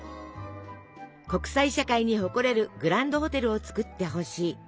「国際社会に誇れるグランドホテルをつくってほしい」。